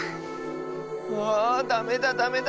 あダメだダメだ！